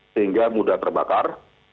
sehingga mudah terbakar